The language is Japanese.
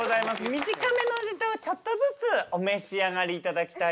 短めのネタをちょっとずつお召し上がりいただきたいので。